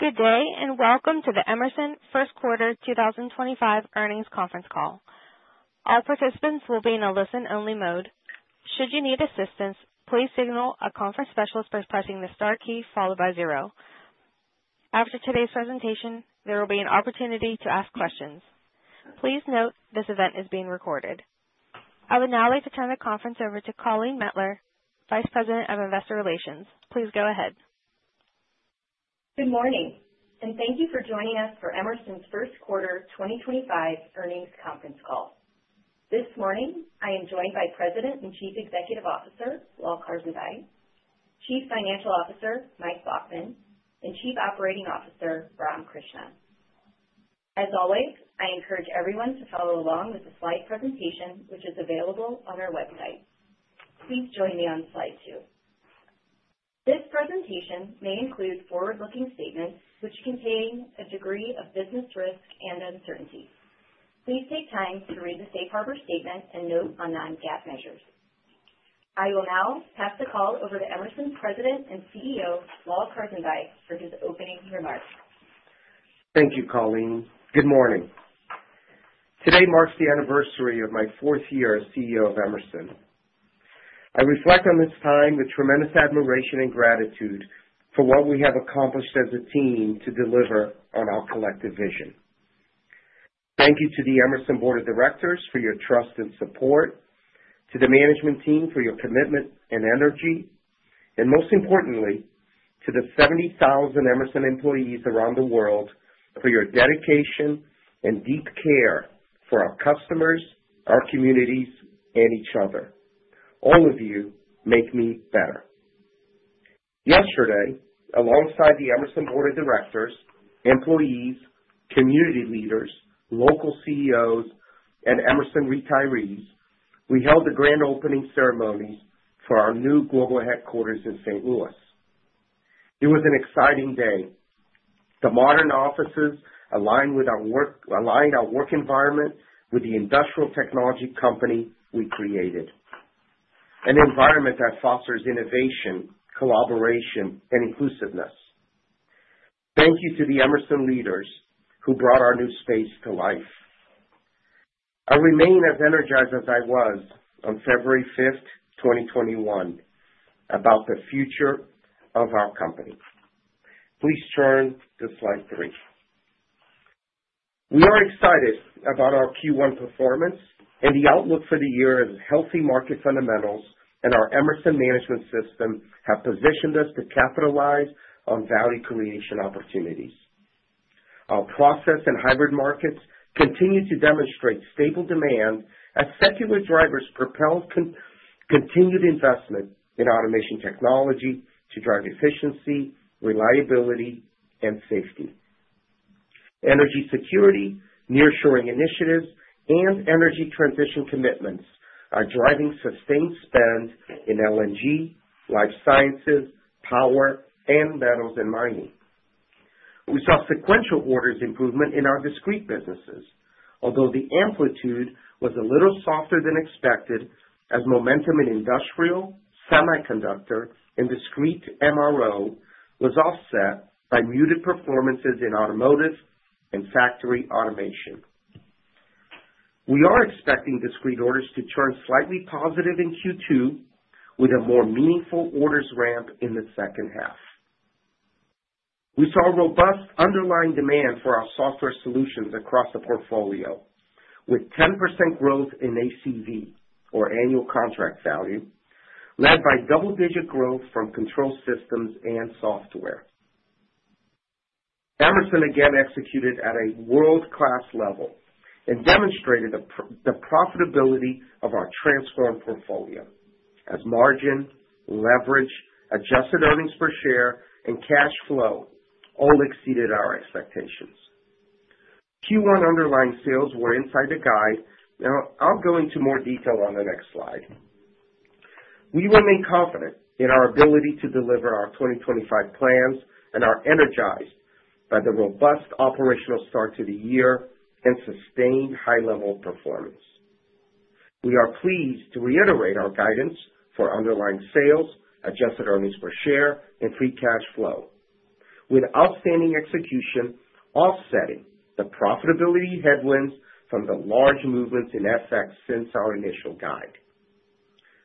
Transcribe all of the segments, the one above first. Good day, and welcome to the Emerson Q1 2025 Earnings Conference Call. All participants will be in a listen-only mode. Should you need assistance, please signal a conference specialist by pressing the star key followed by zero. After today's presentation, there will be an opportunity to ask questions. Please note this event is being recorded. I would now like to turn the conference over to Colleen Mettler, Vice President of Investor Relations. Please go ahead. Good morning, and thank you for joining us for Emerson's Q1 2025 Earnings Conference Call. This morning, I am joined by President and Chief Executive Officer Lal Karsanbhai, Chief Financial Officer Mike Baughman, and Chief Operating Officer Ram Krishnan. As always, I encourage everyone to follow along with the slide presentation, which is available on our website. Please join me on slide two. This presentation may include forward-looking statements, which contain a degree of business risk and uncertainty. Please take time to read the safe harbor statement and note on non-GAAP measures. I will now pass the call over to Emerson's President and CEO, Lal Karsanbhai, for his opening remarks. Thank you, Colleen. Good morning. Today marks the anniversary of my fourth year as CEO of Emerson. I reflect on this time with tremendous admiration and gratitude for what we have accomplished as a team to deliver on our collective vision. Thank you to the Emerson Board of Directors for your trust and support, to the management team for your commitment and energy, and most importantly, to the 70,000 Emerson employees around the world for your dedication and deep care for our customers, our communities, and each other. All of you make me better. Yesterday, alongside the Emerson Board of Directors, employees, community leaders, local CEOs, and Emerson retirees, we held the grand opening ceremonies for our new global headquarters in St. Louis. It was an exciting day. The modern offices aligned our work environment with the industrial technology company we created, an environment that fosters innovation, collaboration, and inclusiveness. Thank you to the Emerson leaders who brought our new space to life. I remain as energized as I was on February 5th, 2021, about the future of our company. Please turn to slide three. We are excited about our Q1 performance, and the outlook for the year is healthy market fundamentals, and our Emerson management system has positioned us to capitalize on value creation opportunities. Our process and hybrid markets continue to demonstrate stable demand as secular drivers propel continued investment in automation technology to drive efficiency, reliability, and safety. Energy security, nearshoring initiatives, and energy transition commitments are driving sustained spend in LNG, life sciences, power, and metals and mining. We saw sequential orders improvement in our discrete businesses, although the amplitude was a little softer than expected as momentum in industrial, semiconductor, and discrete MRO was offset by muted performances in automotive and factory automation. We are expecting discrete orders to turn slightly positive in Q2, with a more meaningful orders ramp in the second half. We saw robust underlying demand for our software solutions across the portfolio, with 10% growth in ACV, or annual contract value, led by double-digit growth from control systems and software. Emerson again executed at a world-class level and demonstrated the profitability of our transformation portfolio, as margin, leverage, adjusted earnings per share, and cash flow all exceeded our expectations. Q1 underlying sales were inside the guide, and I'll go into more detail on the next slide. We remain confident in our ability to deliver our 2025 plans and are energized by the robust operational start to the year and sustained high-level performance. We are pleased to reiterate our guidance for underlying sales, adjusted earnings per share, and free cash flow, with outstanding execution offsetting the profitability headwinds from the large movements in FX since our initial guide.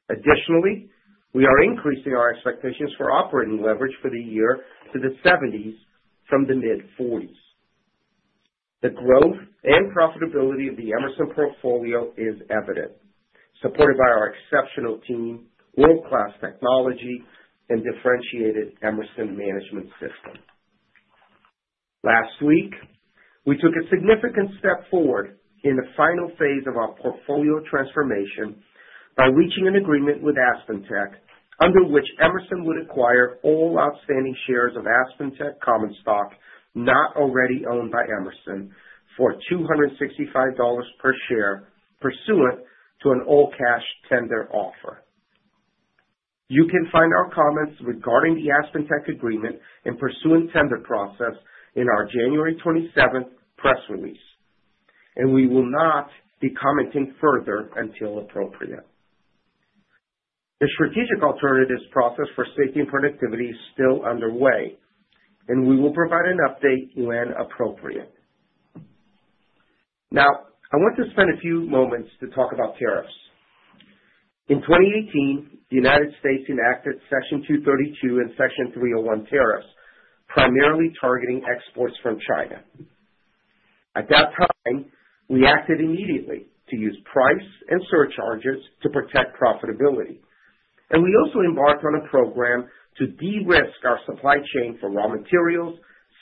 Additionally, we are increasing our expectations for operating leverage for the year to the 70s from the mid-40s. The growth and profitability of the Emerson portfolio is evident, supported by our exceptional team, world-class technology, and differentiated Emerson management system. Last week, we took a significant step forward in the final phase of our portfolio transformation by reaching an agreement with AspenTech, under which Emerson would acquire all outstanding shares of AspenTech Common Stock not already owned by Emerson for $265 per share, pursuant to an all-cash tender offer. You can find our comments regarding the AspenTech agreement and pursuant tender process in our January 27th press release, and we will not be commenting further until appropriate. The strategic alternatives process for safety and productivity is still underway, and we will provide an update when appropriate. Now, I want to spend a few moments to talk about tariffs. In 2018, the United States enacted Section 232 and Section 301 tariffs, primarily targeting exports from China. At that time, we acted immediately to use price and surcharges to protect profitability, and we also embarked on a program to de-risk our supply chain for raw materials,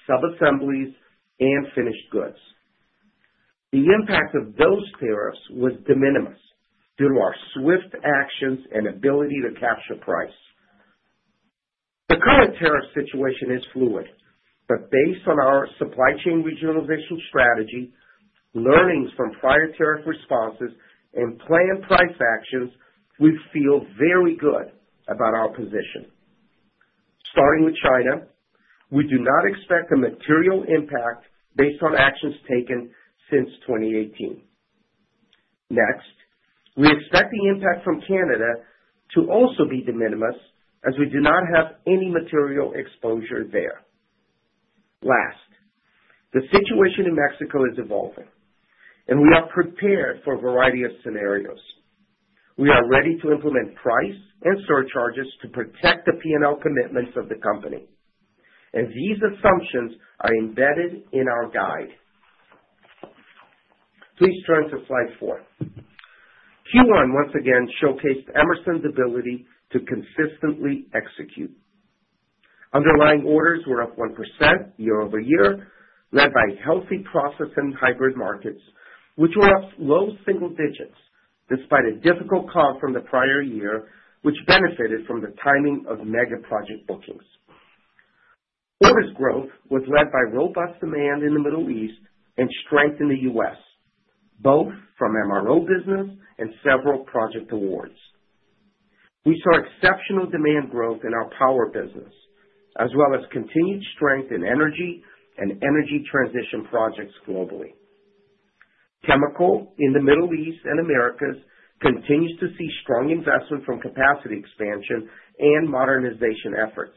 sub-assemblies, and finished goods. The impact of those tariffs was de minimis due to our swift actions and ability to capture price. The current tariff situation is fluid, but based on our supply chain regionalization strategy, learnings from prior tariff responses, and planned price actions, we feel very good about our position. Starting with China, we do not expect a material impact based on actions taken since 2018. Next, we expect the impact from Canada to also be de minimis, as we do not have any material exposure there. Last, the situation in Mexico is evolving, and we are prepared for a variety of scenarios. We are ready to implement price and surcharges to protect the P&L commitments of the company, and these assumptions are embedded in our guide. Please turn to slide four. Q1 once again showcased Emerson's ability to consistently execute. Underlying orders were up 1% year-over-year, led by healthy process and hybrid markets, which were up low single digits despite a difficult call from the prior year, which benefited from the timing of mega project bookings. Orders growth was led by robust demand in the Middle East and strength in the U.S., both from MRO business and several project awards. We saw exceptional demand growth in our power business, as well as continued strength in energy and energy transition projects globally. Chemical in the Middle East and Americas continues to see strong investment from capacity expansion and modernization efforts.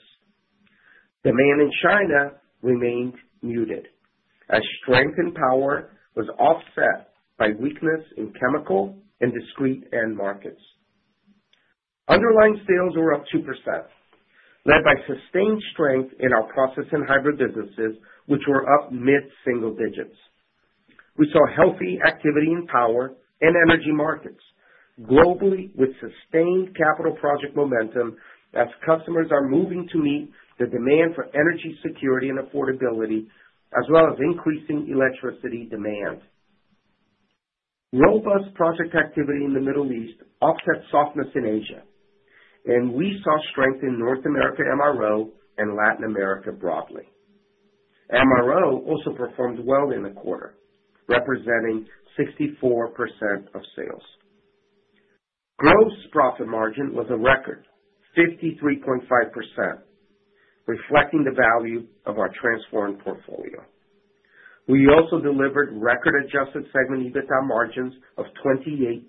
Demand in China remained muted, as strength in power was offset by weakness in chemical and discrete end markets. Underlying sales were up 2%, led by sustained strength in our process and hybrid businesses, which were up mid-single digits. We saw healthy activity in power and energy markets globally with sustained capital project momentum, as customers are moving to meet the demand for energy security and affordability, as well as increasing electricity demand. Robust project activity in the Middle East offset softness in Asia, and we saw strength in North America MRO and Latin America broadly. MRO also performed well in the quarter, representing 64% of sales. Gross profit margin was a record, 53.5%, reflecting the value of our transform portfolio. We also delivered record-adjusted segment EBITDA margins of 28%,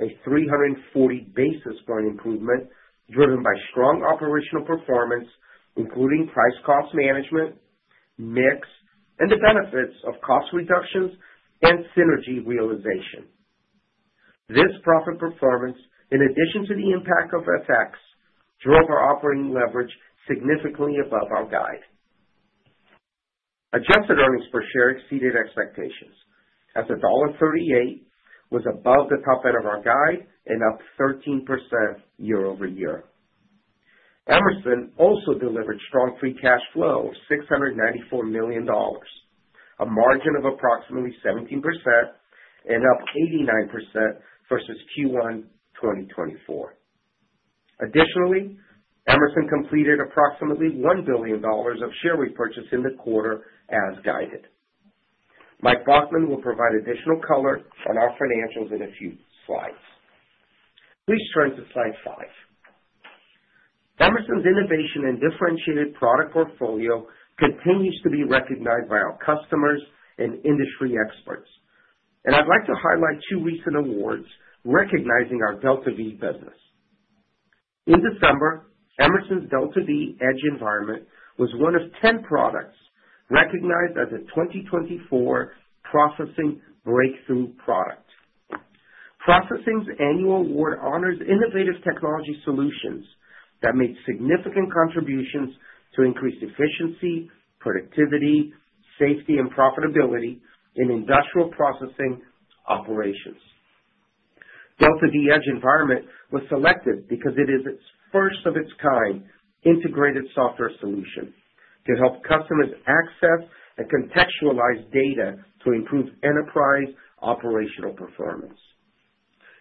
a 340 basis points improvement driven by strong operational performance, including price-cost management, mix and the benefits of cost reductions and synergy realization. This profit performance, in addition to the impact of FX, drove our operating leverage significantly above our guide. Adjusted earnings per share exceeded expectations, as $1.38 was above the top end of our guide and up 13% year over year. Emerson also delivered strong free cash flow of $694 million, a margin of approximately 17% and up 89% versus Q1 2024. Additionally, Emerson completed approximately $1 billion of share repurchase in the quarter as guided. Mike Baughman will provide additional color on our financials in a few slides. Please turn to slide five. Emerson's innovation and differentiated product portfolio continues to be recognized by our customers and industry experts, and I'd like to highlight two recent awards recognizing our DeltaV business. In December, Emerson's DeltaV Edge Environment was one of 10 products recognized as a 2024 processing breakthrough product. Processing's annual award honors innovative technology solutions that made significant contributions to increased efficiency, productivity, safety, and profitability in industrial processing operations. DeltaV Edge Environment was selected because it is its first of its kind integrated software solution to help customers access and contextualize data to improve enterprise operational performance.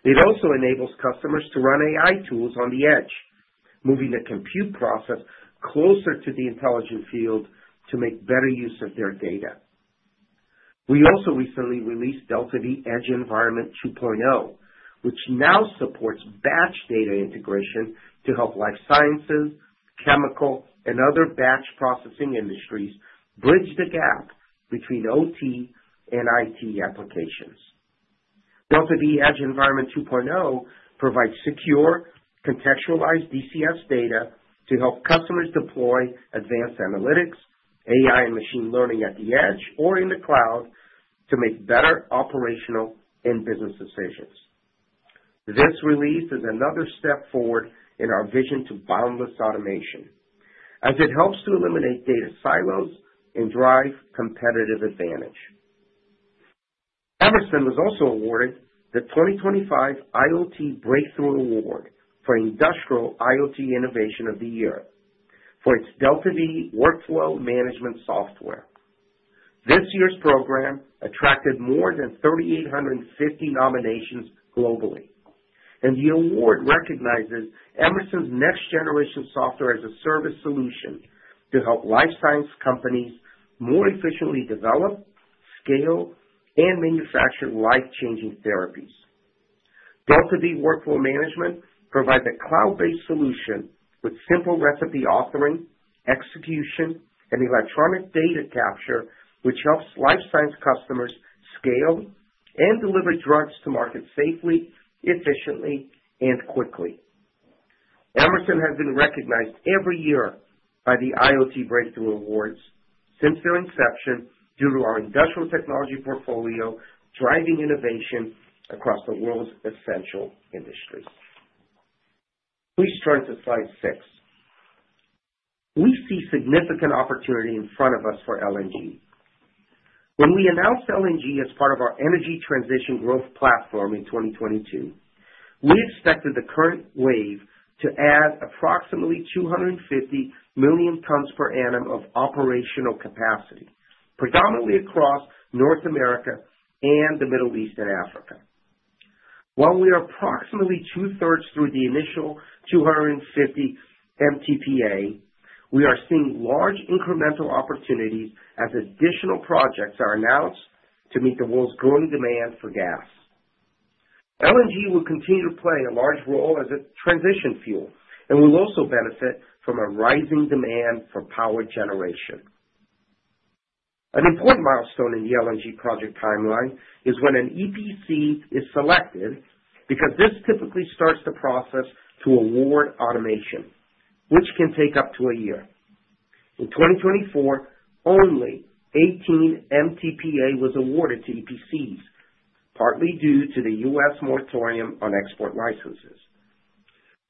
It also enables customers to run AI tools on the edge, moving the compute process closer to the intelligent field to make better use of their data. We also recently released DeltaV Edge Environment 2.0, which now supports batch data integration to help life sciences, chemical, and other batch processing industries bridge the gap between OT and IT applications. DeltaV Edge Environment 2.0 provides secure, contextualized DCS data to help customers deploy advanced analytics, AI, and machine learning at the edge or in the cloud to make better operational and business decisions. This release is another step forward in our vision to boundless automation, as it helps to eliminate data silos and drive competitive advantage. Emerson was also awarded the 2025 IoT Breakthrough Award for Industrial IoT Innovation of the Year for its DeltaV Workflow Management software. This year's program attracted more than 3,850 nominations globally, and the award recognizes Emerson's next-generation software as a service solution to help life science companies more efficiently develop, scale, and manufacture life-changing therapies. DeltaV Workflow Management provides a cloud-based solution with simple recipe authoring, execution, and electronic data capture, which helps life science customers scale and deliver drugs to market safely, efficiently, and quickly. Emerson has been recognized every year by the IoT Breakthrough Awards since their inception due to our industrial technology portfolio driving innovation across the world's essential industries. Please turn to slide six. We see significant opportunity in front of us for LNG. When we announced LNG as part of our energy transition growth platform in 2022, we expected the current wave to add approximately 250 million tons per annum of operational capacity, predominantly across North America and the Middle East and Africa. While we are approximately two-thirds through the initial 250 MTPA, we are seeing large incremental opportunities as additional projects are announced to meet the world's growing demand for gas. LNG will continue to play a large role as a transition fuel, and we'll also benefit from a rising demand for power generation. An important milestone in the LNG project timeline is when an EPC is selected because this typically starts the process to award automation, which can take up to a year. In 2024, only 18 MTPA was awarded to EPCs, partly due to the U.S. moratorium on export licenses.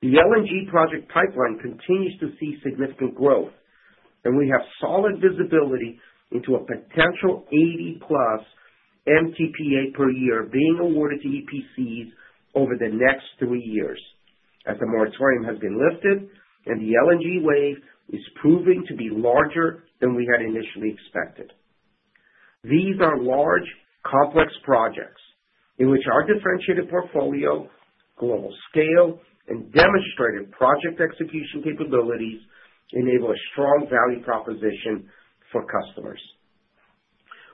The LNG project pipeline continues to see significant growth, and we have solid visibility into a potential 80-plus MTPA per year being awarded to EPCs over the next three years as the moratorium has been lifted and the LNG wave is proving to be larger than we had initially expected. These are large, complex projects in which our differentiated portfolio, global scale, and demonstrated project execution capabilities enable a strong value proposition for customers.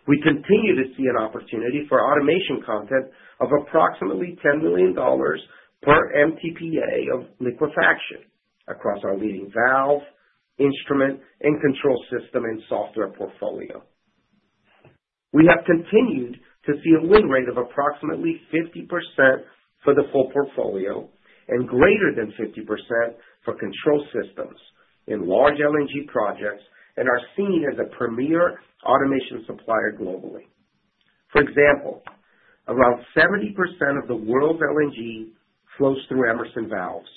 We continue to see an opportunity for automation content of approximately $10 million per MTPA of liquefaction across our leading valve, instrument, and control system and software portfolio. We have continued to see a win rate of approximately 50% for the full portfolio and greater than 50% for control systems in large LNG projects and are seen as a premier automation supplier globally. For example, around 70% of the world's LNG flows through Emerson Valves,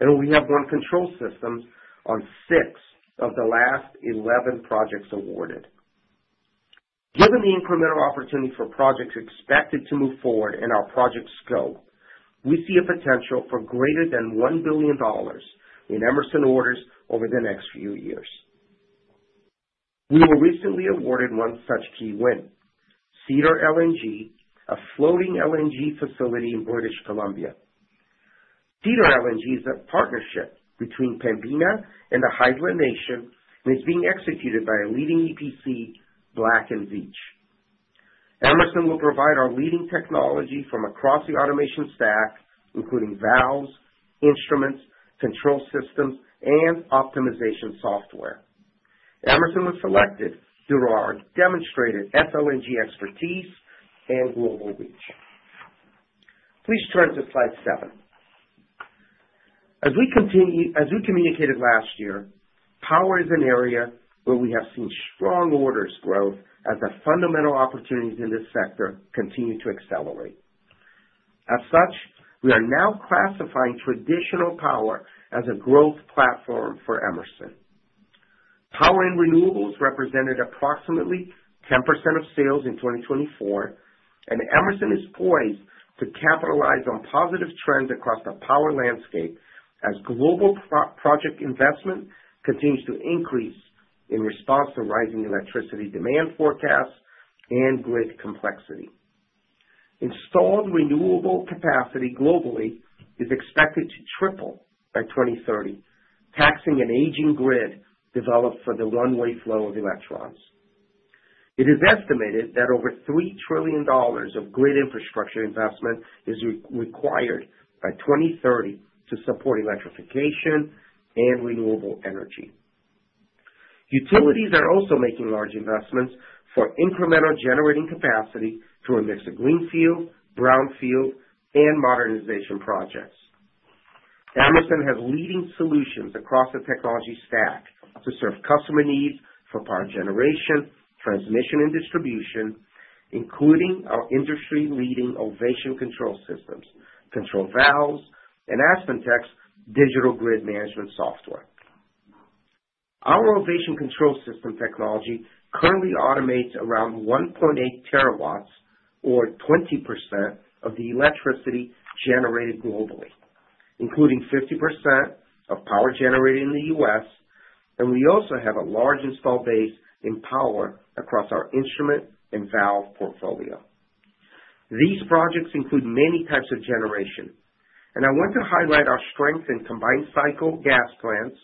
and we have won control systems on six of the last 11 projects awarded. Given the incremental opportunity for projects expected to move forward in our project scope, we see a potential for greater than $1 billion in Emerson orders over the next few years. We were recently awarded one such key win, Cedar LNG, a floating LNG facility in British Columbia. Cedar LNG is a partnership between Pembina and the Haisla Nation and is being executed by a leading EPC, Black & Veatch. Emerson will provide our leading technology from across the automation stack, including valves, instruments, control systems, and optimization software. Emerson was selected due to our demonstrated LNG expertise and global reach. Please turn to slide seven. As we communicated last year, power is an area where we have seen strong orders growth as the fundamental opportunities in this sector continue to accelerate. As such, we are now classifying traditional power as a growth platform for Emerson. Power and renewables represented approximately 10% of sales in 2024, and Emerson is poised to capitalize on positive trends across the power landscape as global project investment continues to increase in response to rising electricity demand forecasts and grid complexity. Installed renewable capacity globally is expected to triple by 2030, taxing an aging grid developed for the one-way flow of electrons. It is estimated that over $3 trillion of grid infrastructure investment is required by 2030 to support electrification and renewable energy. Utilities are also making large investments for incremental generating capacity through a mix of greenfield, brownfield, and modernization projects. Emerson has leading solutions across the technology stack to serve customer needs for power generation, transmission, and distribution, including our industry-leading Ovation Control System, control valves, and AspenTech digital grid management software. Our Ovation Control System technology currently automates around 1.8 terawatts or 20% of the electricity generated globally, including 50% of power generated in the U.S., and we also have a large install base in power across our instrument and valve portfolio. These projects include many types of generation, and I want to highlight our strength in combined cycle gas plants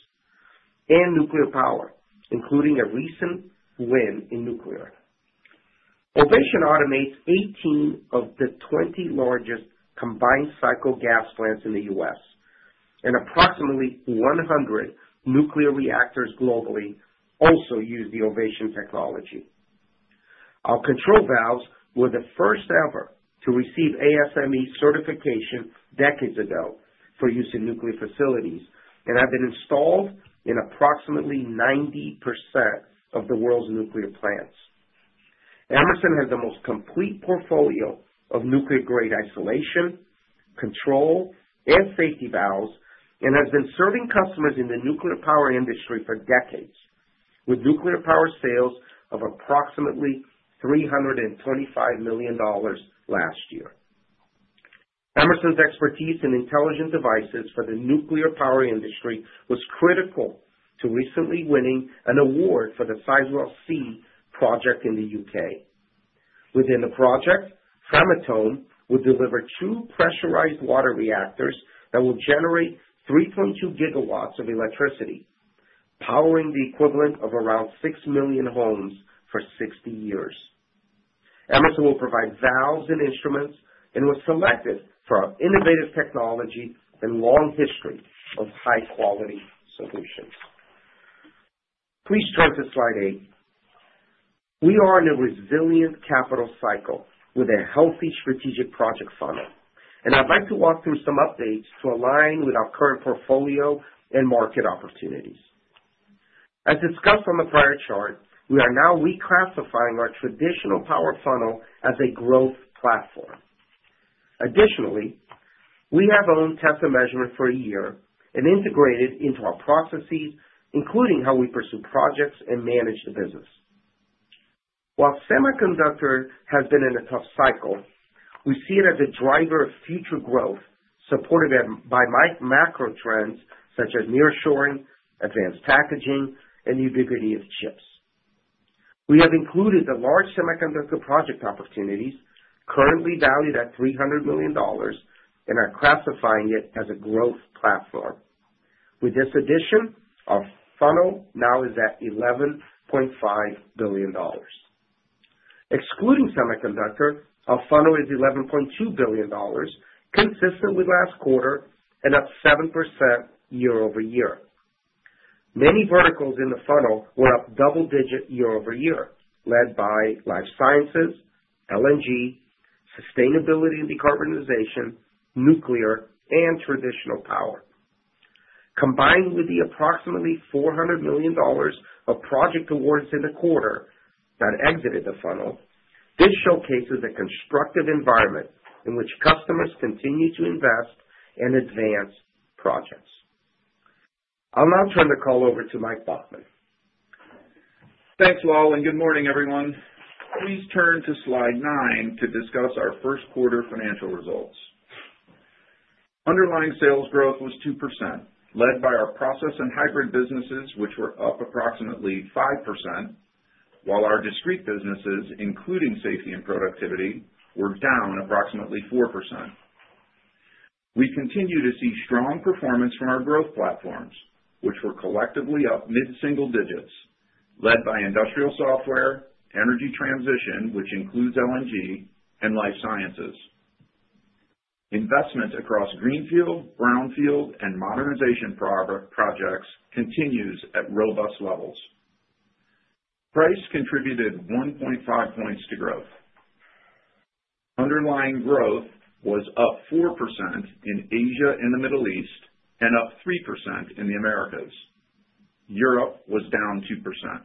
and nuclear power, including a recent win in nuclear. Ovation automates 18 of the 20 largest combined cycle gas plants in the U.S., and approximately 100 nuclear reactors globally also use the Ovation technology. Our control valves were the first ever to receive ASME certification decades ago for use in nuclear facilities, and have been installed in approximately 90% of the world's nuclear plants. Emerson has the most complete portfolio of nuclear-grade isolation, control, and safety valves and has been serving customers in the nuclear power industry for decades, with nuclear power sales of approximately $325 million last year. Emerson's expertise in intelligent devices for the nuclear power industry was critical to recently winning an award for the Sizewell C project in the U.K. Within the project, Framatome will deliver two pressurized water reactors that will generate 3.2 gigawatts of electricity, powering the equivalent of around 6 million homes for 60 years. Emerson will provide valves and instruments and was selected for our innovative technology and long history of high-quality solutions. Please turn to slide eight. We are in a resilient capital cycle with a healthy strategic project funnel, and I'd like to walk through some updates to align with our current portfolio and market opportunities. As discussed on the prior chart, we are now reclassifying our traditional power funnel as a growth platform. Additionally, we have owned Test and Measurement for a year and integrated into our processes, including how we pursue projects and manage the business. While semiconductor has been in a tough cycle, we see it as a driver of future growth supported by macro trends such as nearshoring, advanced packaging, and ubiquity of chips. We have included the large semiconductor project opportunities currently valued at $300 million and are classifying it as a growth platform. With this addition, our funnel now is at $11.5 billion. Excluding semiconductor, our funnel is $11.2 billion, consistent with last quarter and up 7% year over year. Many verticals in the funnel were up double-digit year over year, led by life sciences, LNG, sustainability and decarbonization, nuclear, and traditional power. Combined with the approximately $400 million of project awards in the quarter that exited the funnel, this showcases a constructive environment in which customers continue to invest and advance projects. I'll now turn the call over to Mike Baughman. Thanks, Lal, and good morning, everyone. Please turn to slide nine to discuss our Q1 financial results. Underlying sales growth was 2%, led by our process and hybrid businesses, which were up approximately 5%, while our discrete businesses, including safety and productivity, were down approximately 4%. We continue to see strong performance from our growth platforms, which were collectively up mid-single digits, led by industrial software, energy transition, which includes LNG, and life sciences. Investment across greenfield, brownfield, and modernization projects continues at robust levels. Price contributed 1.5 points to growth. Underlying growth was up 4% in Asia and the Middle East and up 3% in the Americas. Europe was down 2%.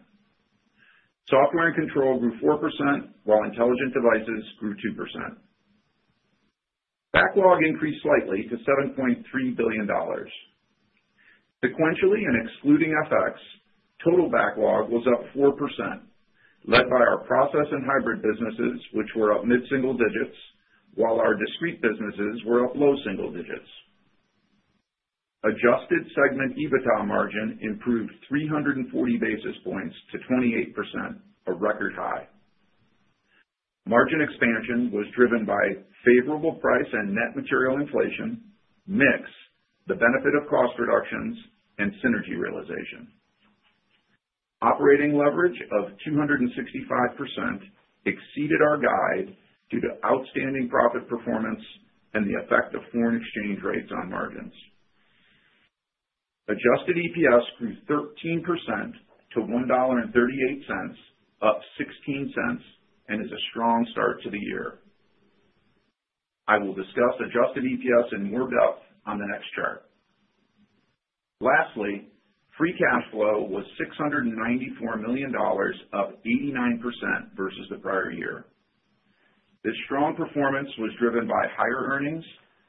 Software and control grew 4%, while intelligent devices grew 2%. Backlog increased slightly to $7.3 billion. Sequentially and excluding FX, total backlog was up 4%, led by our process and hybrid businesses, which were up mid-single digits, while our discrete businesses were up low single digits. Adjusted segment EBITDA margin improved 340 basis points to 28%, a record high. Margin expansion was driven by favorable price and net material inflation, mix, the benefit of cost reductions, and synergy realization. Operating leverage of 265% exceeded our guide due to outstanding profit performance and the effect of foreign exchange rates on margins. Adjusted EPS grew 13% to $1.38, up $0.16, and is a strong start to the year. I will discuss adjusted EPS in more depth on the next chart. Lastly, free cash flow was $694 million, up 89% versus the prior year. This strong performance was driven by higher earnings,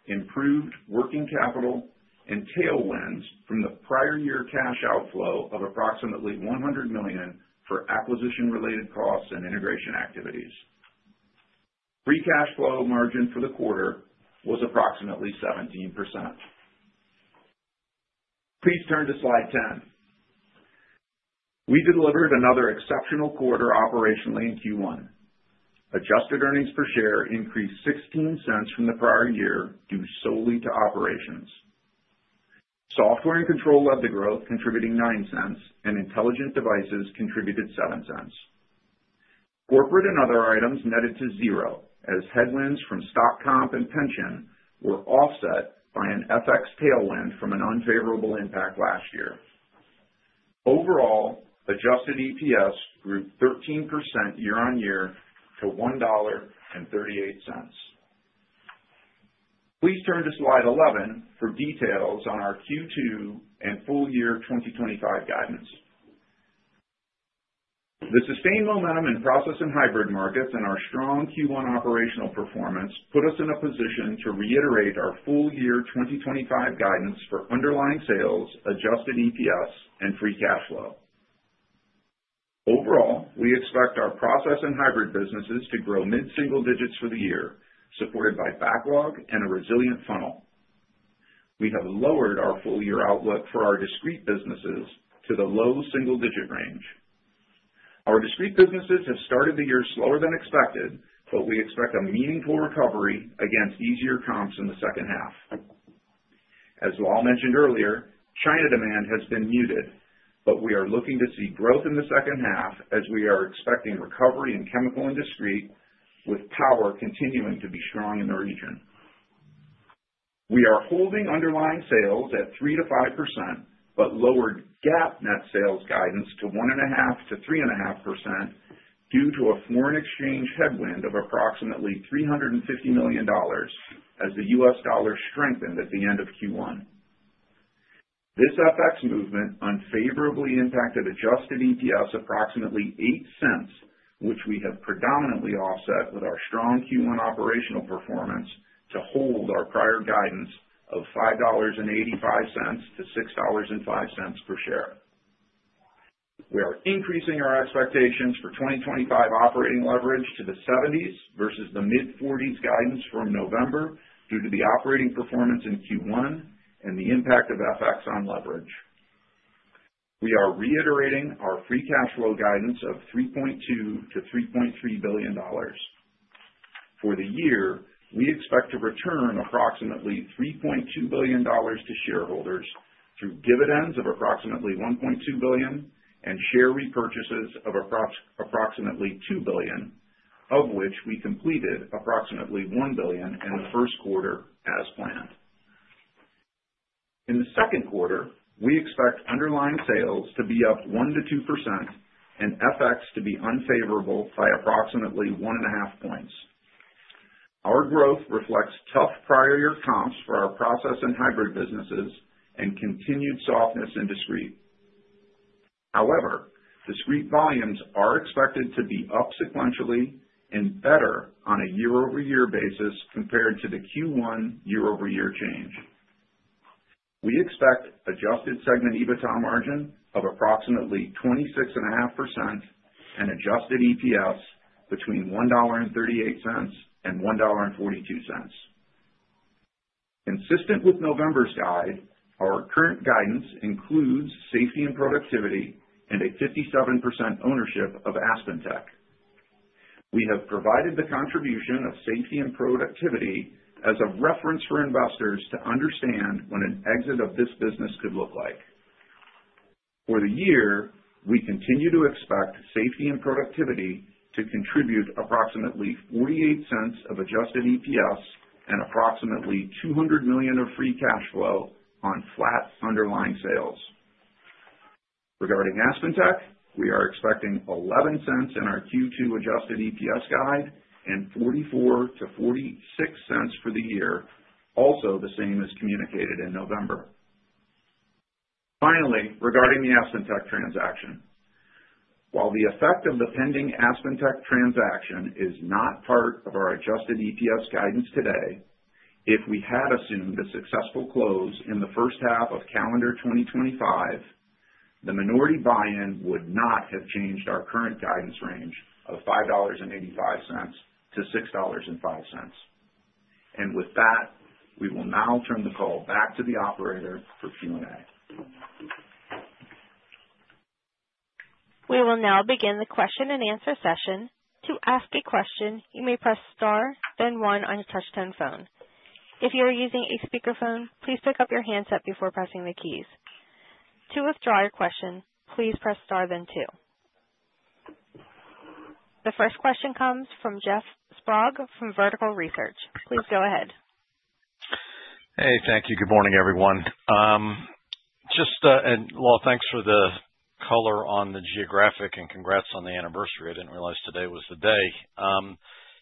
improved working capital, and tailwinds from the prior year cash outflow of approximately $100 million for acquisition-related costs and integration activities. Free cash flow margin for the quarter was approximately 17%. Please turn to slide 10. We delivered another exceptional quarter operationally in Q1. Adjusted earnings per share increased $0.16 from the prior year due solely to operations. Software and control led the growth, contributing $0.09, and intelligent devices contributed $0.07. Corporate and other items netted to zero as headwinds from stock comp and pension were offset by an FX tailwind from an unfavorable impact last year. Overall, adjusted EPS grew 13% year on year to $1.38. Please turn to slide 11 for details on our Q2 and full year 2025 guidance. The sustained momentum in process and hybrid markets and our strong Q1 operational performance put us in a position to reiterate our full year 2025 guidance for underlying sales, adjusted EPS, and free cash flow. Overall, we expect our process and hybrid businesses to grow mid-single digits for the year, supported by backlog and a resilient funnel. We have lowered our full year outlook for our discrete businesses to the low single-digit range. Our discrete businesses have started the year slower than expected, but we expect a meaningful recovery against easier comps in the second half. As Lal mentioned earlier, China demand has been muted, but we are looking to see growth in the second half as we are expecting recovery in chemical industry, with power continuing to be strong in the region. We are holding underlying sales at 3% to 5%, but lowered gap net sales guidance to 1.5%-3.5% due to a foreign exchange headwind of approximately $350 million as the U.S. dollar strengthened at the end of Q1. This FX movement unfavorably impacted adjusted EPS approximately $0.08, which we have predominantly offset with our strong Q1 operational performance to hold our prior guidance of $5.85 to $6.05 per share. We are increasing our expectations for 2025 operating leverage to the 70s versus the mid-40s guidance from November due to the operating performance in Q1 and the impact of FX on leverage. We are reiterating our free cash flow guidance of $3.2 to 3.3 billion. For the year, we expect to return approximately $3.2 billion to shareholders through dividends of approximately $1.2 billion and share repurchases of approximately $2 billion, of which we completed approximately $1 billion in the Q1 as planned. In Q2, we expect underlying sales to be up 1% to 2% and FX to be unfavorable by approximately 1.5 points. Our growth reflects tough prior year comps for our process and hybrid businesses and continued softness in discrete. However, discrete volumes are expected to be up sequentially and better on a year-over-year basis compared to the Q1 year-over-year change. We expect adjusted segment EBITDA margin of approximately 26.5% and adjusted EPS between $1.38 and $1.42. Consistent with November's guide, our current guidance includes safety and productivity and a 57% ownership of AspenTech. We have provided the contribution of safety and productivity as a reference for investors to understand what an exit of this business could look like. For the year, we continue to expect safety and productivity to contribute approximately $0.48 of adjusted EPS and approximately $200 million of free cash flow on flat underlying sales. Regarding AspenTech, we are expecting $0.11 in our Q2 adjusted EPS guide and $0.44-$0.46 for the year, also the same as communicated in November. Finally, regarding the AspenTech transaction, while the effect of the pending AspenTech transaction is not part of our adjusted EPS guidance today, if we had assumed a successful close in the first half of calendar 2025, the minority buy-in would not have changed our current guidance range of $5.85-$6.05, and with that, we will now turn the call back to the operator for Q&A. We will now begin the question and answer session. To ask a question, you may press star, then one on your touch-tone phone. If you are using a speakerphone, please pick up your handset before pressing the keys. To withdraw your question, please press star, then two. The first question comes from Jeff Sprague from Vertical Research. Please go ahead. Hey, thank you. Good morning, everyone. Just, Lal, thanks for the color on the geographies and congrats on the anniversary. I didn't realize today was the day.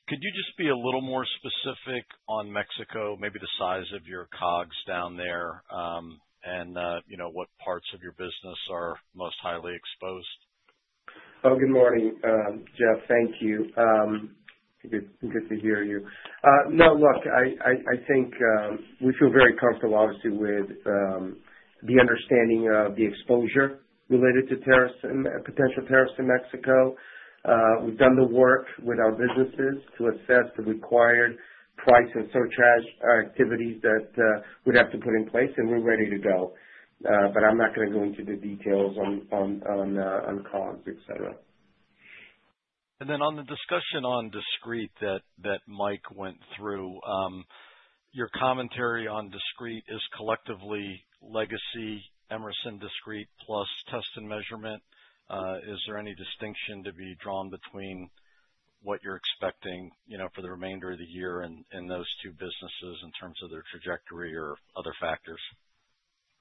Could you just be a little more specific on Mexico, maybe the size of your COGS down there and what parts of your business are most highly exposed? Oh, good morning, Jeff. Thank you. Good to hear you. No, look, I think we feel very comfortable, obviously, with the understanding of the exposure related to potential tariffs in Mexico. We've done the work with our businesses to assess the required price and surcharge activities that we'd have to put in place, and we're ready to go. I'm not going to go into the details on COGS, etc. Then on the discussion on discrete that Mike went through, your commentary on discrete is collectively Legacy Emerson Discrete plus Test and Measurement. Is there any distinction to be drawn between what you're expecting for the remainder of the year in those two businesses in terms of their trajectory or other factors?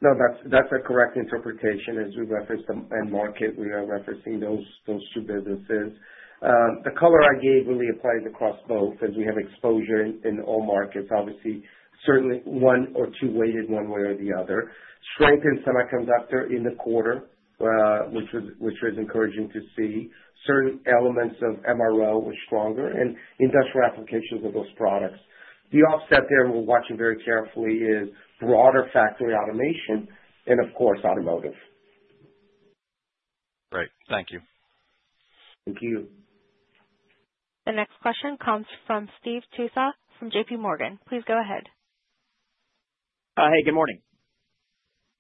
No, that's a correct interpretation as we reference them end market. We are referencing those two businesses. The color I gave really applies across both as we have exposure in all markets, obviously, certainly one or two weighted one way or the other. Strength in semiconductor in the quarter, which was encouraging to see. Certain elements of MRO were stronger and industrial applications of those products. The offset there we're watching very carefully is broader factory automation and, of course, automotive. Great. Thank you. Thank you. The next question comes from Steve Tusa from JPMorgan. Please go ahead. Hey, good morning.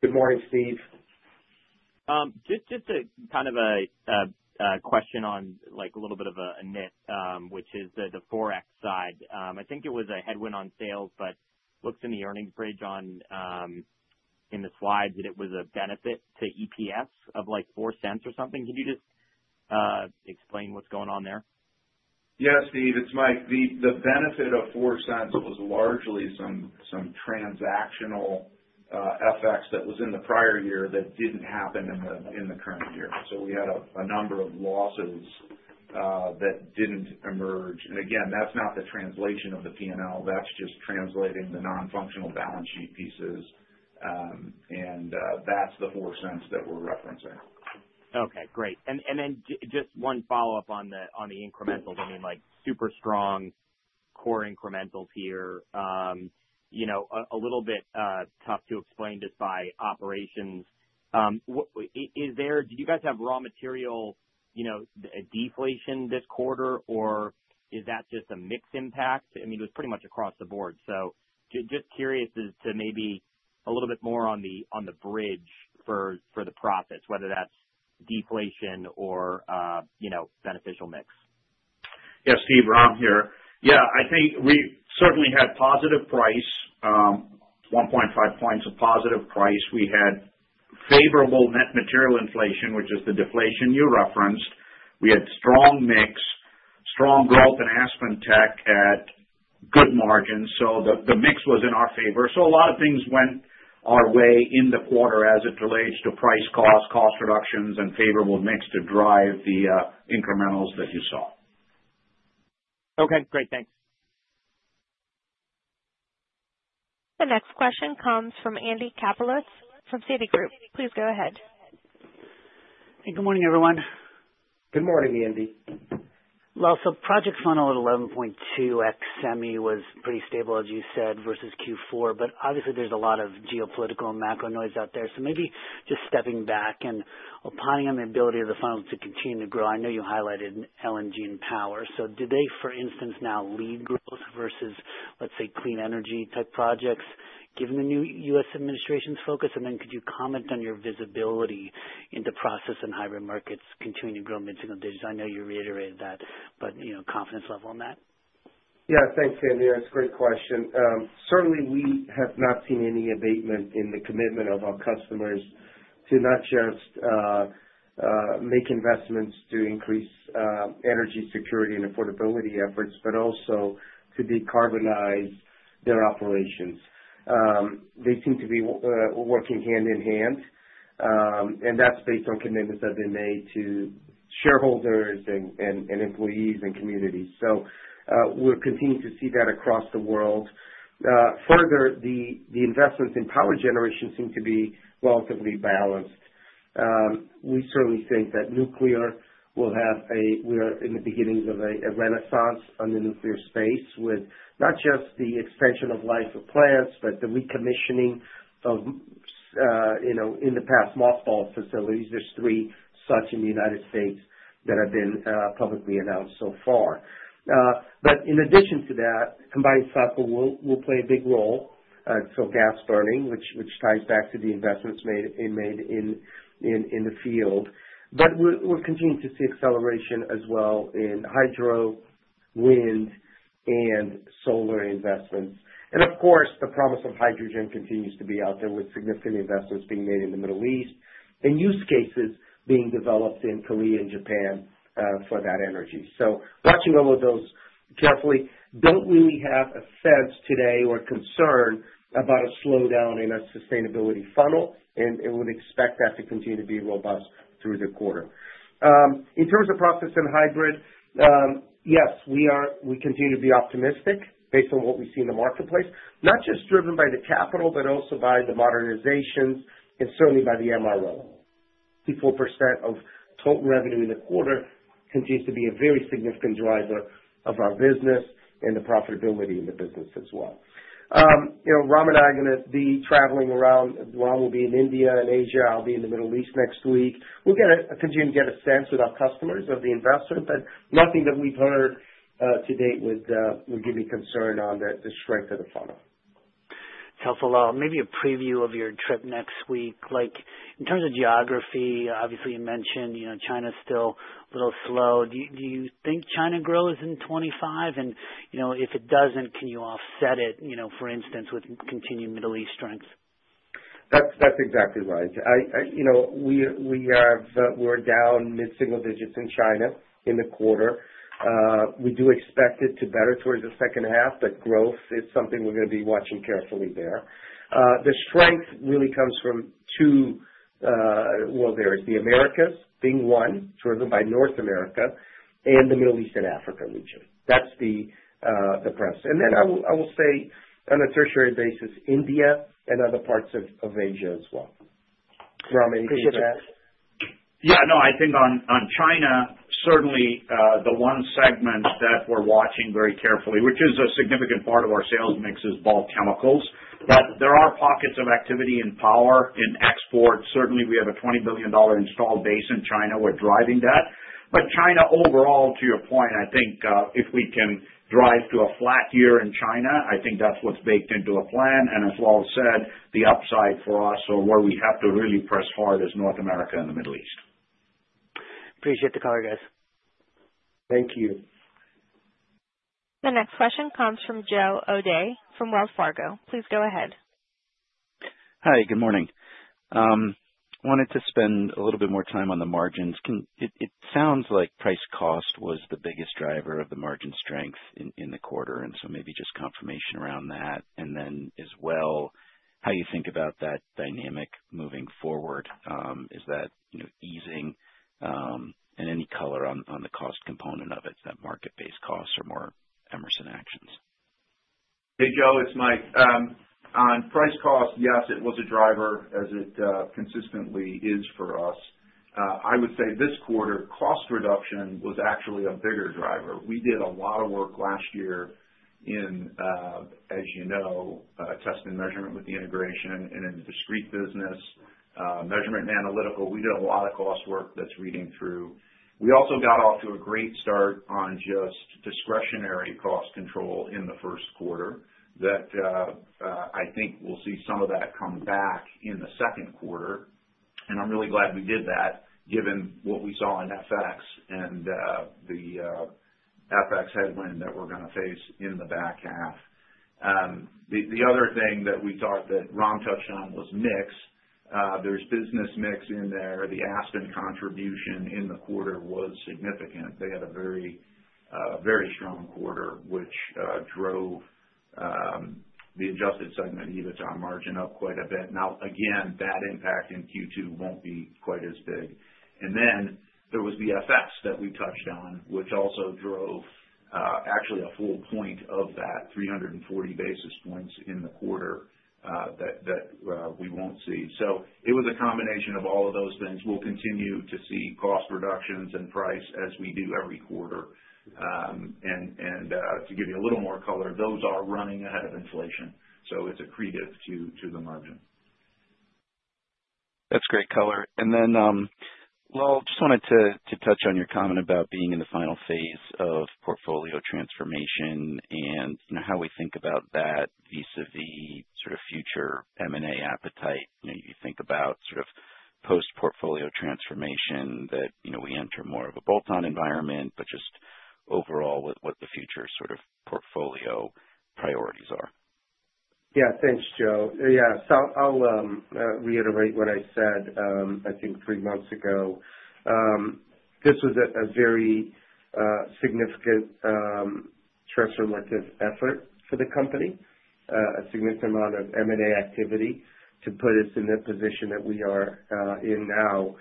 Good morning, Steve. Just a question on a little bit of a niche, which is the forex side. I think it was a headwind on sales, but looked in the earnings page in the slides that it was a benefit to EPS of like $0.04 or something. Can you just explain what's going on there? Yeah, Steve, it's Mike. The benefit of $0.04 was largely some transactional FX that was in the prior year that didn't happen in the current year. We had a number of losses that didn't emerge. And again, that's not the translation of the P&L. That's just translating the non-functional balance sheet pieces. That's the $0.04 that we're referencing. Okay, great. Then just one follow-up on the incrementals. I mean, super strong core incrementals here. A little bit tough to explain just by operations. Did you guys have raw material deflation this quarter, or is that just a mixed impact? I mean, it was pretty much across the board. Just curious as to maybe a little bit more on the bridge for the process, whether that's deflation or beneficial mix. Yeah, Steve, Ram here. Yeah, I think we certainly had positive price, 1.5 points of positive price. We had favorable net material inflation, which is the deflation you referenced. We had strong mix, strong growth in AspenTech at good margins. The mix was in our favor. A lot of things went our way in the quarter as it relates to price costs, cost reductions, and favorable mix to drive the incrementals that you saw. Okay, great. Thanks. The next question comes from Andy Kaplowitz from Citigroup. Please go ahead. Hey, good morning, everyone. Good morning, Andy. Well, so project funnel at 11.2x semi was pretty stable, as you said, versus Q4. Obviously, there's a lot of geopolitical and macro noise out there. Maybe just stepping back and opining on the ability of the funnel to continue to grow. I know you highlighted LNG and power. Do they, for instance, now lead growth versus, let's say, clean energy type projects given the new U.S. administration's focus? Then could you comment on your visibility into process and hybrid markets continuing to grow mid-single digits? I know you reiterated that, but confidence level on that? Yeah, thanks, Andy. That's a great question. Certainly, we have not seen any abatement in the commitment of our customers to not just make investments to increase energy security and affordability efforts, but also to decarbonize their operations. They seem to be working hand in hand, and that's based on commitments that have been made to shareholders and employees and communities. We're continuing to see that across the world. Further, the investments in power generation seem to be relatively balanced. We certainly think that nuclear will have a. We are in the beginnings of a renaissance on the nuclear space with not just the extension of life of plants, but the recommissioning of, in the past, mothball facilities. There's three such in the United States that have been publicly announced so far. In addition to that, combined cycle will play a big role. Gas burning, which ties back to the investments made in the field. We're continuing to see acceleration as well in hydro, wind, and solar investments. Of course, the promise of hydrogen continues to be out there with significant investments being made in the Middle East and use cases being developed in Korea and Japan for that energy. Watching all of those carefully, don't really have a sense today or concern about a slowdown in a sustainability funnel, and we would expect that to continue to be robust through the quarter. In terms of process and hybrid, yes, we continue to be optimistic based on what we see in the marketplace, not just driven by the capital, but also by the modernizations and certainly by the MRO. 24% of total revenue in the quarter continues to be a very significant driver of our business and the profitability in the business as well. Ram and I are going to be traveling around. Ram will be in India and Asia. I'll be in the Middle East next week. We'll continue to get a sense with our customers of the investment, but nothing that we've heard to date would give me concern on the strength of the funnel. Lal, maybe a preview of your trip next week. In terms of geography, obviously, you mentioned China's still a little slow. Do you think China grows in 2025? And if it doesn't, can you offset it, for instance, with continued Middle East strength? That's exactly right. We were down mid-single digits in China in the quarter. We do expect it to get better towards the second half, but growth is something we're going to be watching carefully there. The strength really comes from two, well, there is the Americas, being one, driven by North America, and the Middle East and Africa region. That's the thrust. Then I will say, on a tertiary basis, India and other parts of Asia as well. Ram, anything to add? Yeah, no, I think on China, certainly the one segment that we're watching very carefully, which is a significant part of our sales mix, is bulk chemicals. There are pockets of activity in power and export. Certainly, we have a $20 billion installed base in China. We're driving that. China overall, to your point, I think if we can drive to a flat year in China, I think that's what's baked into a plan. As Lal said, the upside for us or where we have to really press hard is North America and the Middle East. Appreciate the call, guys. Thank you. The next question comes from Joe O'Dea from Wells Fargo. Please go ahead. Hi, good morning. Wanted to spend a little bit more time on the margins. It sounds like price cost was the biggest driver of the margin strength in the quarter, and so maybe just confirmation around that. Then as well, how you think about that dynamic moving forward? Is that easing? Any color on the cost component of it, that market-based costs or more Emerson actions? Hey, Joe, it's Mike. On price cost, yes, it was a driver as it consistently is for us. I would say this quarter, cost reduction was actually a bigger driver. We did a lot of work last year in test and measurement with the integration and in the discrete business, measurement and analytical. We did a lot of cost work that's reading through. We also got off to a great start on just discretionary cost control in the Q1. I think we'll see some of that come back in the Q2, and I'm really glad we did that given what we saw in FX and the FX headwind that we're going to face in the back half. The other thing that we thought that Ram touched on was mix. There's business mix in there. The AspenTech contribution in the quarter was significant. They had a very strong quarter, which drove the adjusted segment EBITDA margin up quite a bit. Now, again, that impact in Q2 won't be quite as big. Then there was the FX that we touched on, which also drove actually a full point of that 340 basis points in the quarter that we won't see. It was a combination of all of those things. We'll continue to see cost reductions and price as we do every quarter. To give you a little more color, those are running ahead of inflation. It's accretive to the margin. That's great color. Then, Lal, I just wanted to touch on your comment about being in the final phase of portfolio transformation and how we think about that vis-à-vis future M&A appetite. You think about post-portfolio transformation that we enter more of a bolt-on environment, but just overall what the future portfolio priorities are. Yeah, thanks, Joe. Yeah, I'll reiterate what I said, I think, three months ago. This was a very significant transfer effort for the company, a significant amount of M&A activity to put us in the position that we are in now.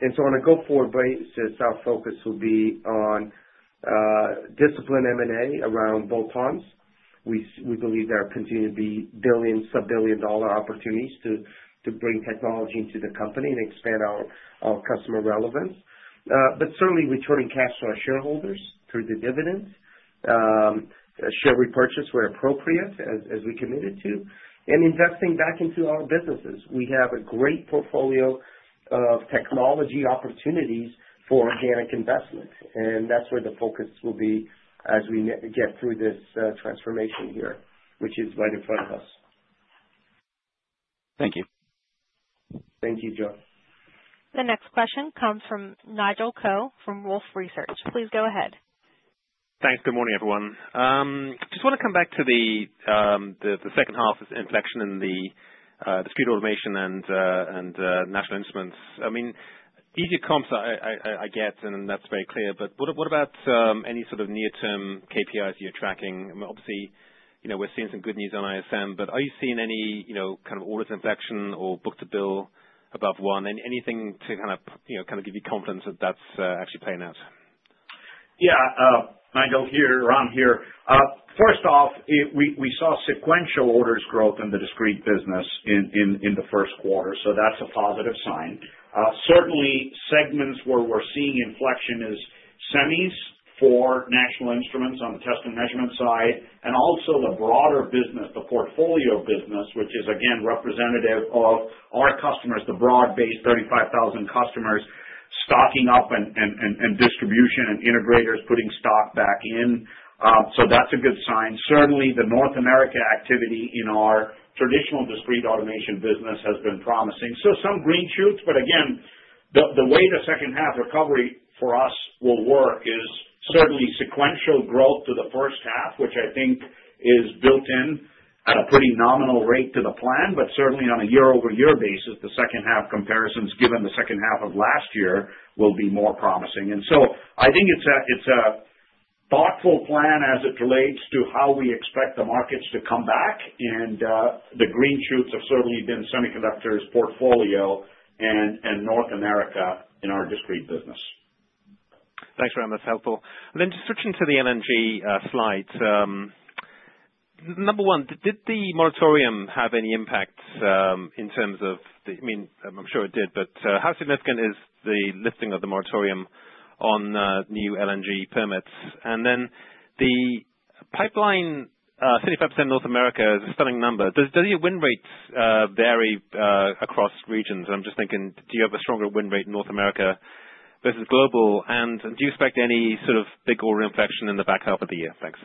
And so on a go-forward basis, our focus will be on disciplined M&A around bolt-ons. We believe there continue to be billion, sub-billion dollar opportunities to bring technology into the company and expand our customer relevance. Certainly, returning cash to our shareholders through the dividends, share repurchase where appropriate, as we committed to, and investing back into our businesses. We have a great portfolio of technology opportunities for organic investment. That's where the focus will be as we get through this transformation here, which is right in front of us. Thank you. Thank you, Joe. The next question comes from Nigel Coe from Wolfe Research. Please go ahead. Thanks. Good morning, everyone. Just want to come back to the second half inflection in the discrete automation and National Instruments. I mean, easier comps, I get, and that's very clear. What about any near-term KPIs you're tracking? Obviously, we're seeing some good news on ISM, but are you seeing any orders inflection or Book-to-Bill above one? Anything to give you confidence that that's actually playing out? Yeah, Nigel here, Ram here. First off, we saw sequential orders growth in the discrete business in the Q1. That's a positive sign. Certainly, segments where we're seeing inflection is semis for National Instruments on the test and measurement side, and also the broader business, the portfolio business, which is, again, representative of our customers, the broad-based 35,000 customers stocking up and distribution and integrators putting stock back in. That's a good sign. Certainly, the North America activity in our traditional discrete automation business has been promising. Some green shoots, but again, the way the second half recovery for us will work is certainly sequential growth to the first half, which I think is built in at a pretty nominal rate to the plan, but certainly on a year-over-year basis, the second half comparisons given the second half of last year will be more promising. And so, I think it's a thoughtful plan as it relates to how we expect the markets to come back. The green shoots have certainly been semiconductors portfolio and North America in our discrete business. Thanks very much. That's helpful. Then just switching to the LNG slides. Number one, did the moratorium have any impact, I'm sure it did, but how significant is the lifting of the moratorium on new LNG permits? Then the pipeline, 35% North America is a stunning number. Does your win rate vary across regions? I'm just thinking, do you have a stronger win rate in North America versus global? Do you expect any big order inflection in the back half of the year? Thanks.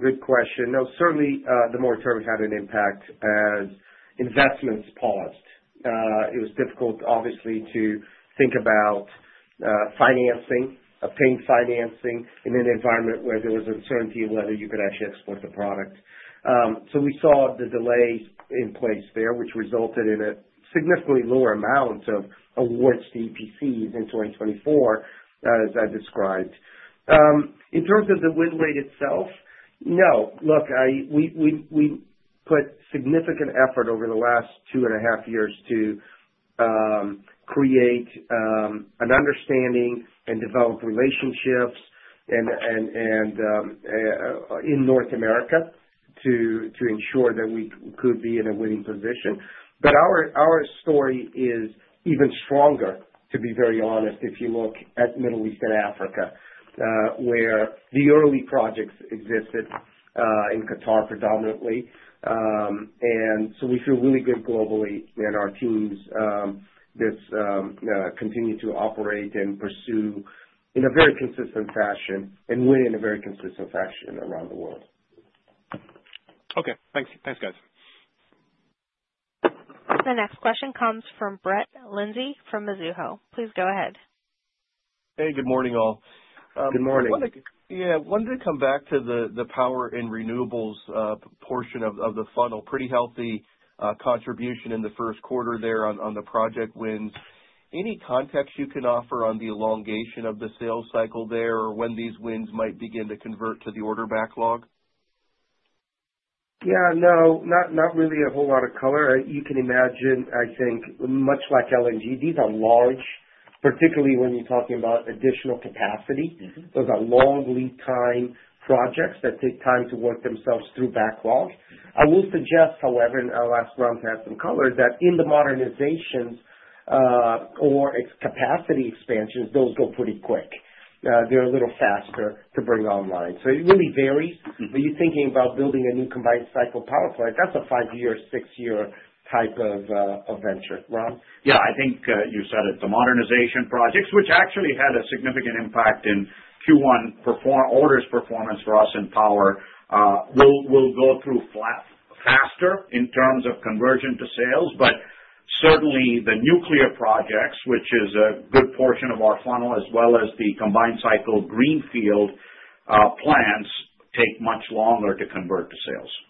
Good question. No, certainly the moratorium had an impact as investments paused. It was difficult, obviously, to think about financing, obtain financing in an environment where there was uncertainty of whether you could actually export the product. We saw the delay in place there, which resulted in a significantly lower amount of awards to EPCs in 2024, as I described. In terms of the win rate itself, no. Look, we put significant effort over the last two and a half years to create an understanding and develop relationships in North America to ensure that we could be in a winning position. Our story is even stronger, to be very honest, if you look at Middle East and Africa, where the early projects existed in Qatar predominantly. And so we feel really good globally, and our teams continue to operate and pursue in a very consistent fashion and win in a very consistent fashion around the world. Okay. Thanks, guys. The next question comes from Brett Linzey from Mizuho. Please go ahead. Hey, good morning, all. Good morning. Yeah, I wanted to come back to the power and renewables portion of the funnel. Pretty healthy contribution in the Q1 there on the project wins. Any context you can offer on the elongation of the sales cycle there or when these wins might begin to convert to the order backlog? Yeah, no, not really a whole lot of color. You can imagine, I think, much like LNG, these are large, particularly when you're talking about additional capacity. Those are long lead time projects that take time to work themselves through backlog. I will suggest, however, and I'll ask Ram to add some color, that in the modernizations or its capacity expansions, those go pretty quick. They're a little faster to bring online. It really varies. When you're thinking about building a new combined cycle power plant, that's a five-year, six-year type of venture. Ram? Yeah, I think you said it. The modernization projects, which actually had a significant impact in Q1 orders performance for us and power, will go through faster in terms of conversion to sales, but certainly, the nuclear projects, which is a good portion of our funnel, as well as the combined-cycle greenfield plants, take much longer to convert to sales. Okay,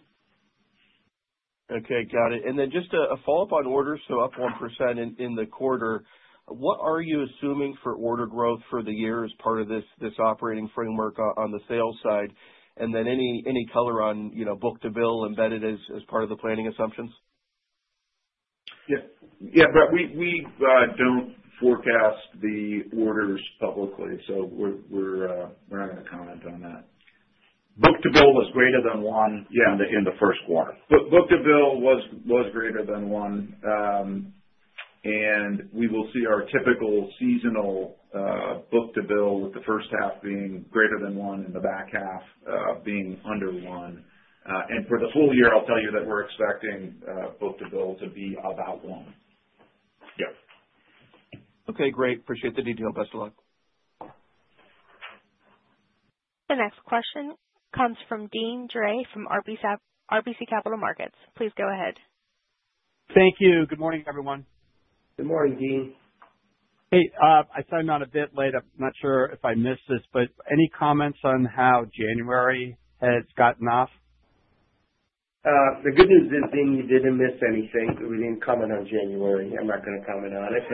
got it, and then just a follow-up on orders, so up 1% in the quarter. What are you assuming for order growth for the year as part of this operating framework on the sales side? Then any color on Book-to-Bill embedded as part of the planning assumptions? Yeah, but we don't forecast the orders publicly, so we're not going to comment on that. Book-to-Bill was greater than one, yeah, in the Q1. Book-to-Bill was greater than one, and we will see our typical seasonal Book-to-Bill with the first half being greater than one and the back half being under one. For the full year, I'll tell you that we're expecting Book-to-Bill to be about one. Yeah. Okay, great. Appreciate the detail. Best of luck. The next question comes from Deane Dray from RBC Capital Markets. Please go ahead. Thank you. Good morning, everyone. Good morning, Deane. Hey, I signed on a bit late. I'm not sure if I missed this, but any comments on how January has gotten off? The good news is, Deane, you didn't miss anything. We didn't comment on January. I'm not going to comment on it.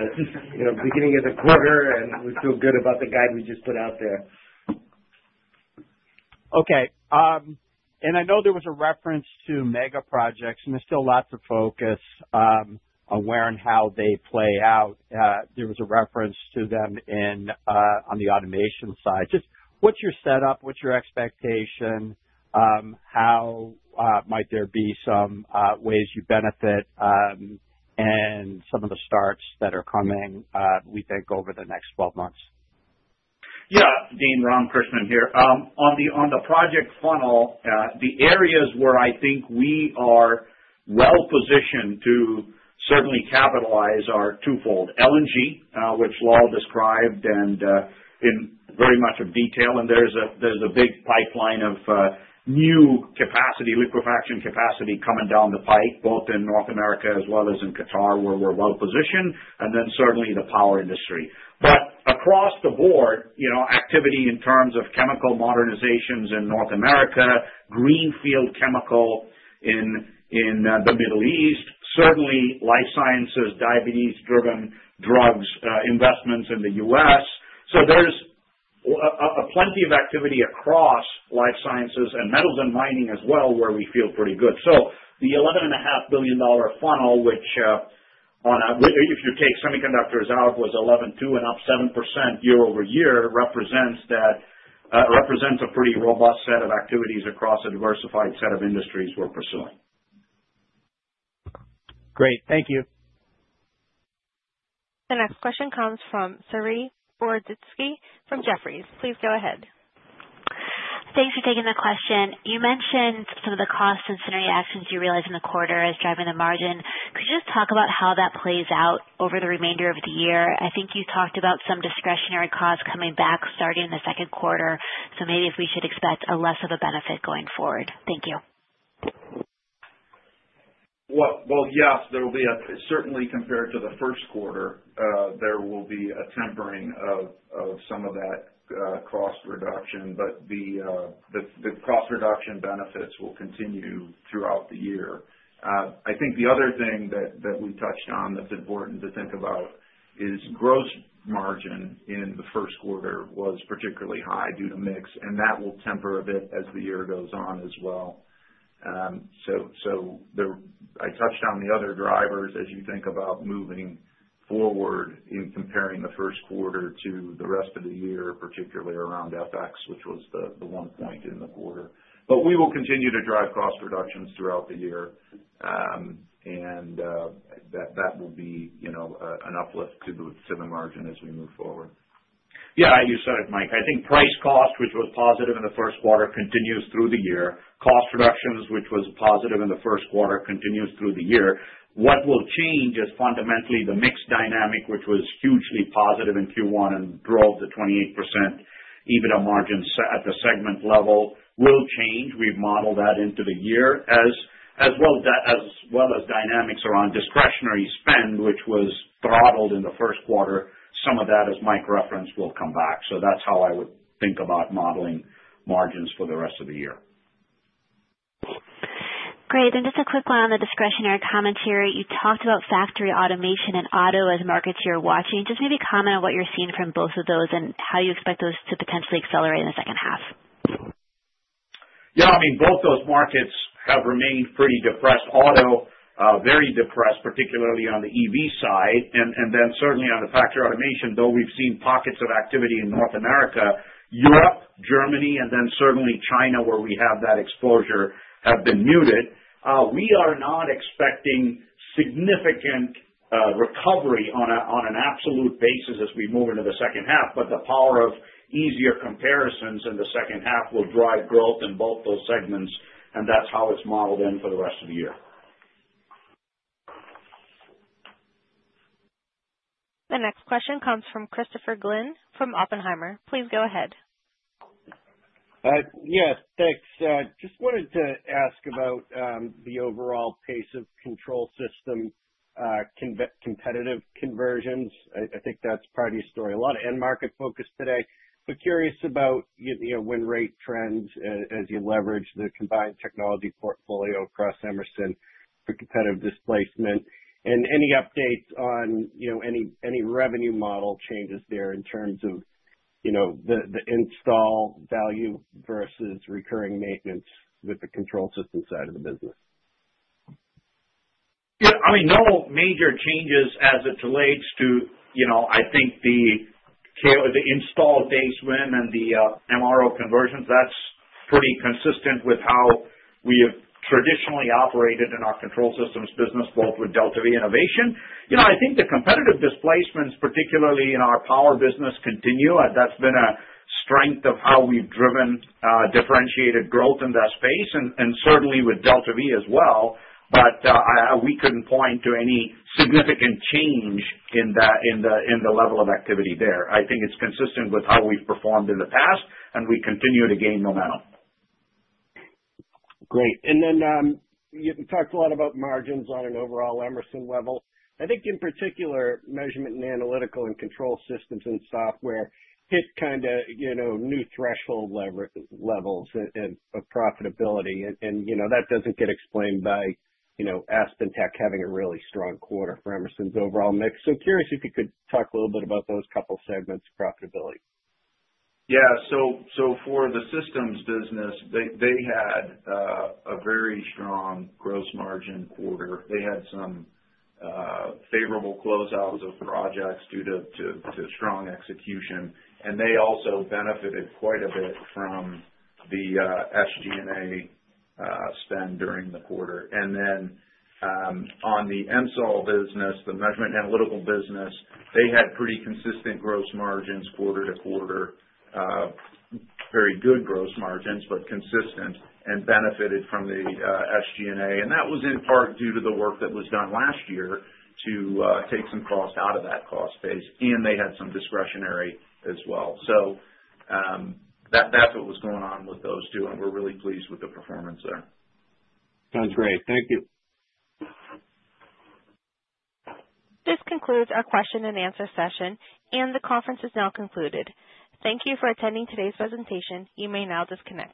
Beginning of the quarter, and we feel good about the guide we just put out there. Okay. I know there was a reference to mega projects, and there's still lots of focus on where and how they play out. There was a reference to them on the automation side. Just what's your setup? What's your expectation? How might there be some ways you benefit and some of the stats that are coming, we think, over the next 12 months? Yeah, Deane, Ram Krishnan here. On the project funnel, the areas where I think we are well positioned to certainly capitalize are twofold. LNG, which Lal described in great detail, and there's a big pipeline of new capacity, liquefaction capacity, coming down the pipe, both in North America as well as in Qatar, where we're well positioned, and then certainly the power industry. Across the board, activity in terms of chemical modernizations in North America, greenfield chemical in the Middle East, certainly life sciences, diabetes-driven drugs, investments in the US. There's plenty of activity across life sciences and metals and mining as well, where we feel pretty good. The $11.5 billion funnel, which if you take semiconductors out, was $11.2 billion and up 7% year over year, represents a pretty robust set of activities across a diversified set of industries we're pursuing. Great. Thank you. The next question comes from Saree Boroditsky from Jefferies. Please go ahead. Thanks for taking the question. You mentioned some of the costs and some reactions you realize in the quarter as driving the margin. Could you just talk about how that plays out over the remainder of the year? I think you talked about some discretionary costs coming back starting in the Q2, so maybe if we should expect less of a benefit going forward. Thank you. Yes, there will be certainly compared to the Q1, there will be a tempering of some of that cost reduction, but the cost reduction benefits will continue throughout the year. I think the other thing that we touched on that's important to think about is gross margin in the Q1 was particularly high due to mix, and that will temper a bit as the year goes on as well. I touched on the other drivers as you think about moving forward in comparing the Q1 to the rest of the year, particularly around FX, which was the one point in the quarter. We will continue to drive cost reductions throughout the year, and that will be an uplift to the margin as we move forward. Yeah, you said it, Mike. I think price cost, which was positive in the Q1, continues through the year. Cost reductions, which was positive in the Q1, continues through the year. What will change is fundamentally the mix dynamic, which was hugely positive in Q1 and drove the 28% EBITDA margin at the segment level, will change. We've modeled that into the year, as well as dynamics around discretionary spend, which was throttled in the Q1. Some of that, as Mike referenced, will come back. That's how I would think about modeling margins for the rest of the year. Great, and just a quick one on the discretionary comments here. You talked about factory automation and auto as markets you're watching. Just maybe comment on what you're seeing from both of those and how you expect those to potentially accelerate in the second half. Yeah, I mean, both those markets have remained pretty depressed. Auto, very depressed, particularly on the EV side. Then certainly on the factory automation, though we've seen pockets of activity in North America, Europe, Germany, and then certainly China, where we have that exposure, have been muted. We are not expecting significant recovery on an absolute basis as we move into the second half, but the power of easier comparisons in the second half will drive growth in both those segments, and that's how it's modeled in for the rest of the year. The next question comes from Christopher Glynn from Oppenheimer. Please go ahead. Yes, thanks. Just wanted to ask about the overall pace of control system competitive conversions. I think that's part of your story. A lot of end market focus today, but curious about win rate trends as you leverage the combined technology portfolio across Emerson for competitive displacement. Any updates on any revenue model changes there in terms of the install value versus recurring maintenance with the control system side of the business? Yeah, I mean, no major changes as it relates to, I think, the install phase win and the MRO conversions. That's pretty consistent with how we have traditionally operated in our control systems business, both with DeltaV innovation. I think the competitive displacements, particularly in our power business, continue. That's been a strength of how we've driven differentiated growth in that space, and certainly with DeltaV as well. We couldn't point to any significant change in the level of activity there. I think it's consistent with how we've performed in the past, and we continue to gain momentum. Great. Then you talked a lot about margins on an overall Emerson level. I think in particular, measurement and analytical and control systems and software hit new threshold levels of profitability. That doesn't get explained by AspenTech having a really strong quarter for Emerson's overall mix. Curious if you could talk a little bit about those couple of segments of profitability. Yeah, so for the systems business, they had a very strong gross margin quarter. They had some favorable closeouts of projects due to strong execution. They also benefited quite a bit from the SG&A spend during the quarter. Then on the MSOL business, the measurement and analytical business, they had pretty consistent gross margins quarter to quarter, very good gross margins, but consistent, and benefited from the SG&A. That was in part due to the work that was done last year to take some cost out of that cost base. They had some discretionary as well. That's what was going on with those two, and we're really pleased with the performance there. Sounds great. Thank you. This concludes our question and answer session, and the conference is now concluded. Thank you for attending today's presentation. You may now disconnect.